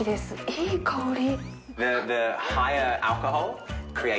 いい香り。